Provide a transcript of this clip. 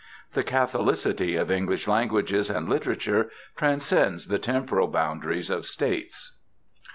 The catholicity of English language and literature transcends the temporal boundaries of states.